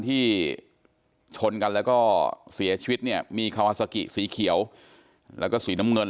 ที่ชนกันแล้วก็เสียชีวิตเนี่ยมีคาฮาซากิสีเขียวแล้วก็สีน้ำเงิน